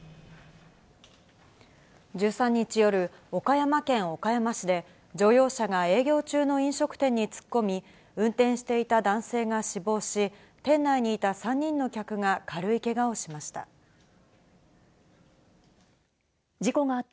１３日夜、岡山県岡山市で、乗用車が営業中の飲食店に突っ込み、運転していた男性が死亡し、店内にいた３人の客が軽いけがをしました。